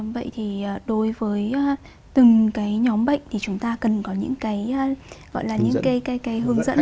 vậy thì đối với từng cái nhóm bệnh thì chúng ta cần có những cái gọi là những cái hướng dẫn